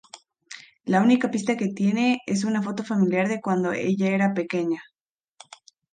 La única pista que tiene, es una foto familiar de cuando ella era pequeña.